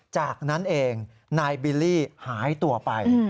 จากนั้นเองนายบิลลี่หายตัวไป